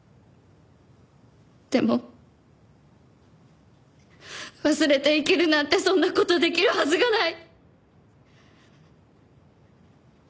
でも忘れて生きるなんてそんな事できるはずがない！